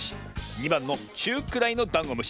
２ばんのちゅうくらいのダンゴムシ。